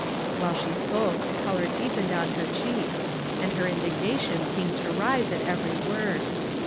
While she spoke the color deepened on her cheeks, and her in dignation seemed to rise at every word.